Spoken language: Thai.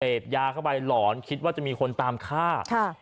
เสพยาเข้าไปหลอนคิดว่าจะมีคนตามฆ่า